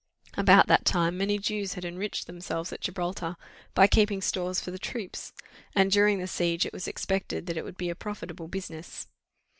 About that time many Jews had enriched themselves at Gibraltar, by keeping stores for the troops; and during the siege it was expected that it would be a profitable business.